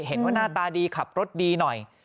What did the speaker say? เห็นว่าหน้าตาดีขับรถดีหน่อย